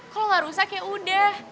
kalau gak rusak yaudah